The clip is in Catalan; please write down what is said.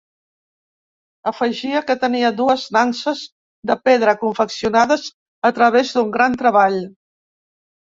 Afegia que tenia dues nanses de pedra confeccionades a través d'un gran treball.